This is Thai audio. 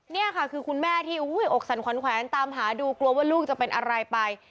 นี่ค่ะคือคุณแม่ที่อกสั่นขวัญแขวนตามหาดูกลัวว่าลูกจะเป็นอะไรไป